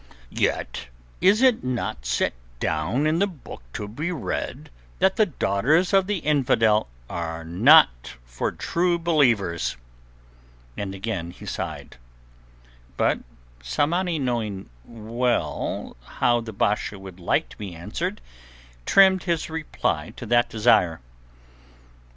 "Yet is it not set down in the Book to be Read that the daughters of the infidel are not for True Believers?" And again he sighed. But Tsamanni knowing full well how the Basha would like to be answered, trimmed his reply to that desire.